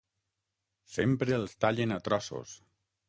Sempre els tallen a trossos.